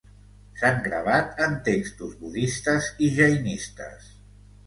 S'han gravat en textos budistes i jainistes.